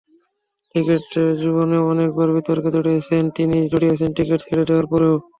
Cricket জীবনে অনেক বার বিতর্কে জড়িয়েছেন তিনি, জড়িয়েছেন ক্রিকেট ছেড়ে দেওয়ার পরেও।